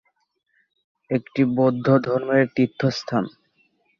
একটি বৌদ্ধ ধর্মের তীর্থস্থান।